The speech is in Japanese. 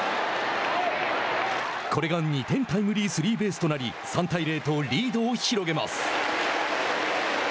これが２点タイムリースリーベースとなり３対０とリードを広げます。